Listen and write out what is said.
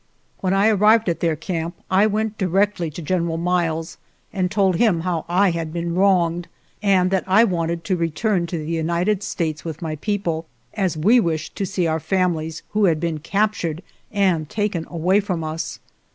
When I arrived at their camp I went di rectly to General Miles and told him how I had been wronged, and that I wanted to re turn to the United States with my people, as we wished to see our families, who had been captured 5 and taken away from us.